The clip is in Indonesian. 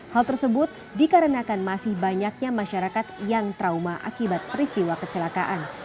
hal tersebut dikarenakan masih banyaknya masyarakat yang trauma akibat peristiwa kecelakaan